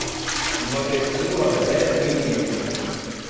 Uma pessoa dez mil iene